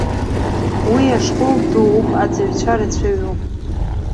Уа ашкол дууп, аҵаҩцәа рацәаҩуп.